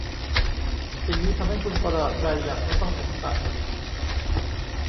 สิ่งนี้ทำให้คุณประหลาดใจอย่างไม่ต้องสงสัย ?